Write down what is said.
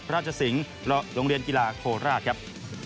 พระราชสิงห์รโรงเรียนกีฬาโคราชครับ